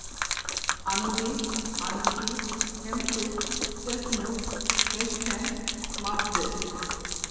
Anubis, Anukis, Hemsut, Tefnut, Meskhenet, মাফদেট।